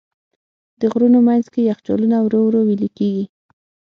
د غرونو منځ کې یخچالونه ورو ورو وېلې کېږي.